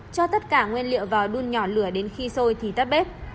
cho tất cả nguyên liệu vào đun nhỏ lửa đến khi sôi thì tắt bếp